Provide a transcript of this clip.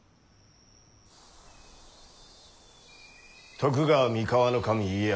徳川三河守家康。